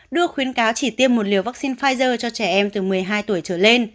đưa khuyến cáo chỉ tiêm một liều vaccine pfizer cho trẻ em từ một mươi hai tuổi trở lên